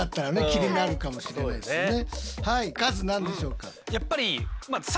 気になるかもしれないですね。